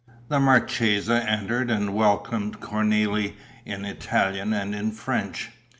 The marchesa entered and welcomed Cornélie in Italian and in French.